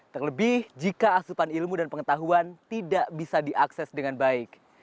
terlebih jika asupan ilmu dan pengetahuan tidak bisa diakses dengan baik